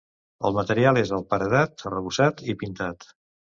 El material és el paredat, arrebossat i pintat.